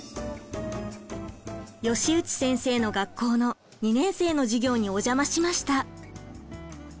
葭内先生の学校の２年生の授業にお邪魔しました。